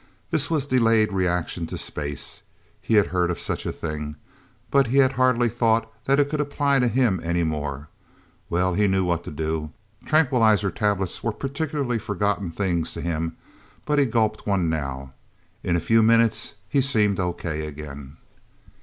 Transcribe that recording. This was delayed reaction to space. He had heard of such a thing. But he had hardly thought that it could apply to him, anymore...! Well, he knew what to do... Tranquilizer tablets were practically forgotten things to him. But he gulped one now. In a few minutes, he seemed okay, again...